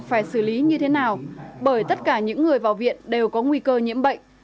phải xử lý như thế nào bởi tất cả những người vào viện đều có nguy cơ nhiễm bệnh